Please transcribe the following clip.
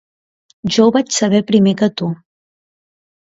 Jo ho vaig saber primer que tu.